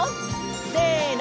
せの！